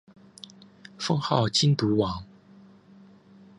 封号靖都王。